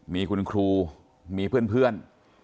มีคุณครูมีเพื่อน